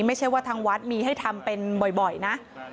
ไม่ใช่ว่าทางวัดมีให้ทำเป็นบ่อยนะ